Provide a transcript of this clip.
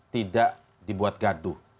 tidak dibuat gaduh